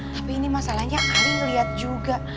tapi ini masalahnya ali liat juga